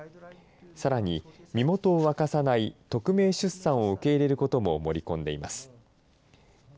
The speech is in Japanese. さらに身元を明かさない匿名出産を受け入れることも盛り込んでいます。